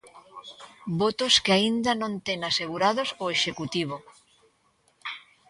Votos que aínda non ten asegurados o Executivo.